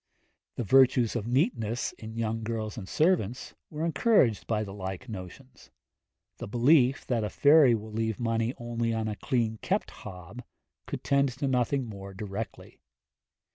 The virtues of neatness, in young girls and servants, were encouraged by the like notions; the belief that a fairy will leave money only on a clean kept hob, could tend to nothing more directly.